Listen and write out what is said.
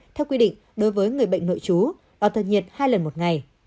theo quy định đối với người bệnh nội chú đo thân nhiệt hai lần một ngày